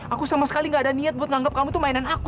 aku sama sekali gak ada niat buat nganggap kamu tuh mainan aku